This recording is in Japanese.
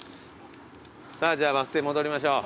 さぁじゃあバス停戻りましょう。